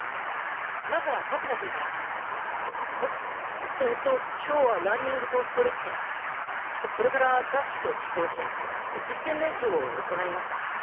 まずは春日君から。ええっと今日はランニングとストレッチそれからダッシュと基礎打ち実践練習を行いました。